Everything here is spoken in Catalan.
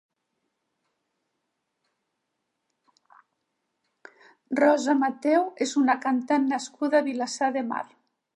Rosa Mateu és una cantant nascuda a Vilassar de Mar.